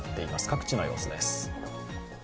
各地の様子です。